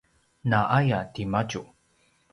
naaya timadju